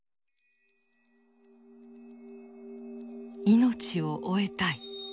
命を終えたい。